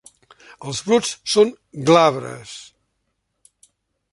Els brots són glabres.